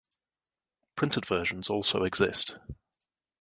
Printed versions also exist.